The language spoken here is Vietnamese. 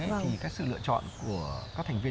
thì cái sự lựa chọn của các thành viên